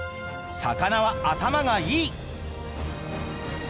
魚は頭がいい」。